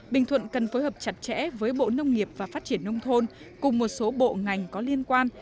bình thuận cần phối hợp chặt chẽ với bộ nông nghiệp và phát triển nông thôn cùng một số bộ ngành có liên quan